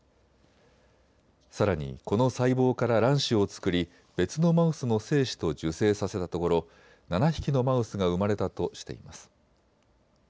さらにこの細胞から卵子を作り別のマウスの精子と受精させたところ７匹のマウスが生まれたとしています。